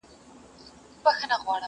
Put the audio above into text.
گوندي وي چي یوه ورځ دي ژوند بهتر سي.!